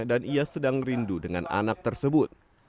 dan ia sedang rindu dengan anak tersebut